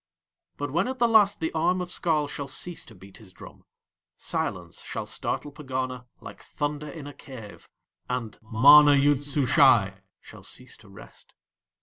But, when at the last the arm of Skarl shall cease to beat his drum, silence shall startle Pegana like thunder in a cave, and MANA YOOD SUSHAI shall cease to rest.